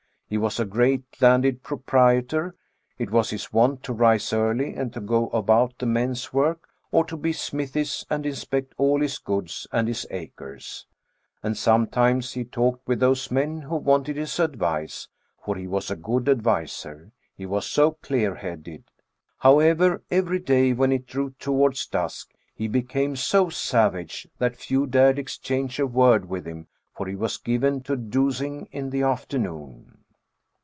He was a great landed proprietor. It was his wont to rise early, and to go about the men's work, or to the smithies, and inspect all his goods and his acres ; and sometimes he talked with those men who wanted his advice ; for he was a good adviser, he was so clear headed ; however, every day, when it drew towards dusk, he became so savage that few dared exchange a word with him, for he was given to dozing in the afternoon.